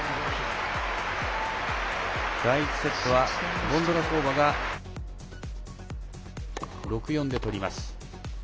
第１セットは、ボンドロウソバが６−４で取ります。